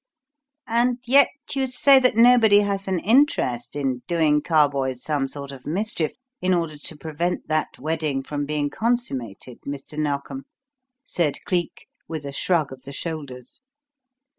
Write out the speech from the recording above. "And yet you say that nobody had an interest in doing Carboys some sort of mischief in order to prevent that wedding from being consummated, Mr. Narkom," said Cleek with a shrug of the shoulders.